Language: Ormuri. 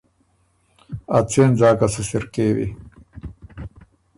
ا څېن ځاکه سُو سِر کېوی۔